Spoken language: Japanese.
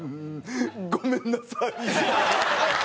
ごめんなさい。